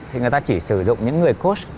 thì người ta chỉ sử dụng những người coach